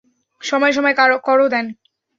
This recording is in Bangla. সময়ে সময়ে করও দেন।